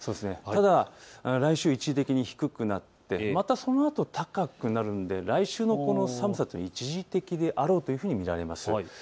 ただ来週、一時的に低くなってまたそのあと高くなるので来週の寒さというのは一時的であろうと見られます。